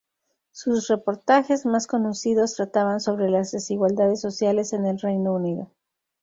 Sus reportajes más conocidos trataban sobre las desigualdades sociales en el Reino Unido.